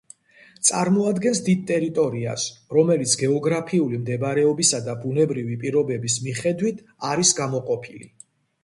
წარმოადგენს დიდ ტერიტორიას, რომელიც გეოგრაფიული მდებარეობისა და ბუნებრივი პირობების მიხედვით არის გამოყოფილი.